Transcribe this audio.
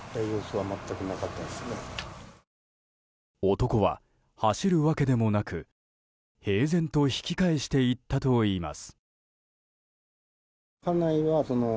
男は走るわけでもなく、平然と引き返していったといいます。